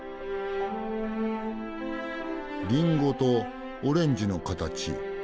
リンゴとオレンジの形。